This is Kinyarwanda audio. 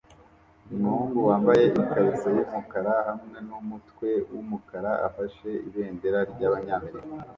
Umuhungu wambaye ikariso yumukara hamwe numutwe wumukara afashe ibendera ryabanyamerika